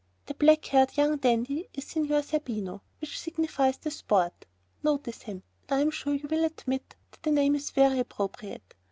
That black haired young dandy is Signor Zerbino, which signifies 'the sport.' Notice him and I am sure you will admit that the name is very appropriate.